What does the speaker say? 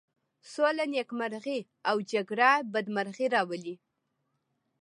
سوله نېکمرغي او جگړه بدمرغي راولي.